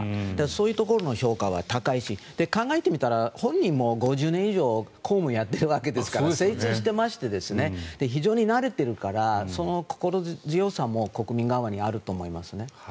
そういうところの評価は高いし考えてみたら本人も５０年以上公務をやっているわけですから精通していまして非常に慣れているからその心強さも国民側にあると思いますね。